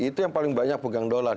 itu yang paling banyak pegang dolar